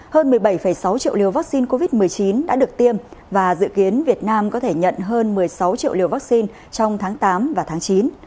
hơn một mươi bảy sáu triệu liều vaccine covid một mươi chín đã được tiêm và dự kiến việt nam có thể nhận hơn một mươi sáu triệu liều vaccine trong tháng tám và tháng chín